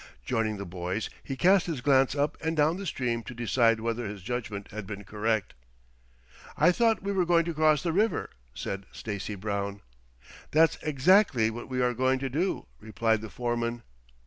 Joining the boys, he cast his glance up and down the stream to decide whether his judgment had been correct. "I thought we were going to cross the river," said Stacy Brown. "That's exactly what we are going to do," replied the foreman.